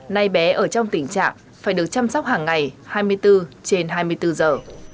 nay bé ở trong tình trạng phải được chăm sóc hàng ngày hai mươi bốn trên hai mươi bốn giờ